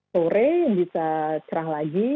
sore bisa cerah lagi